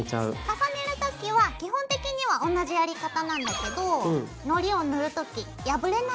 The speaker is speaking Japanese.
重ねる時は基本的には同じやり方なんだけどＯＫ！